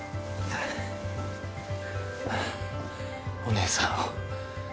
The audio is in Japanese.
お姉さんを